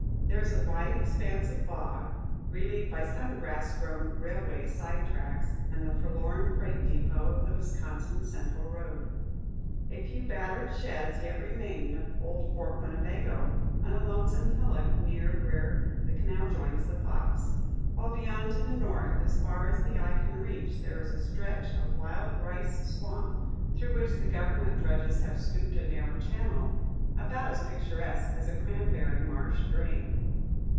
There is a wide expanse of bog, relieved by some grass grown railway side tracks and the forlorn freight depot of the Wisconsin Central road. A few battered sheds yet remain of old Fort Winnebago on a lonesome hillock near where the canal joins the Fox; while beyond to the north as far as the eye can reach there is a stretch of wild rice swamp, through which the government dredges have scooped a narrow channel, about as picturesque as a cranberry marsh drain.